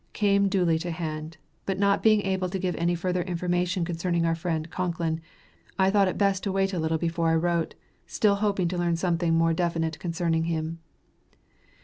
came duly to hand, but not being able to give any further information concerning our friend, Concklin, I thought best to wait a little before I wrote, still hoping to learn something more definite concerning him.